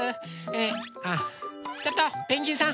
あっちょっとペンギンさん！